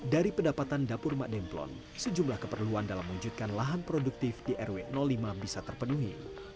dari pendapatan dapur mak demplon sejumlah keperluan dalam mewujudkan lahan produktif di rw lima bisa terpenuhi